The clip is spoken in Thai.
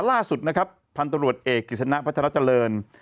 ล่าสุดนะครับพันตรวจเอกกิจสนะพัฒนาเจริญ